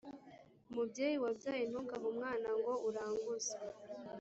Mubyeyi wabyaye, ntugahe umwana ngo uranguze”.